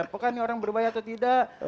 apakah ini orang berbahaya atau tidak